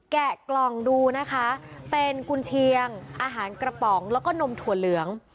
แกะกล่องดูนะคะเป็นกุญเชียงอาหารกระป๋องแล้วก็นมถั่วเหลือง